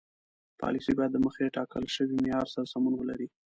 پالیسي باید د مخکې ټاکل شوي معیار سره سمون ولري.